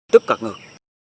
tức cả người